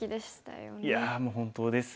いやもう本当ですよ。